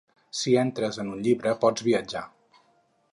Si entres en un llibre pots viatjar.